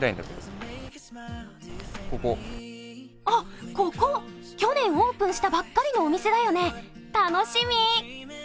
あ、ここ、去年オープンしたばっかりのお店だよね、楽しみ。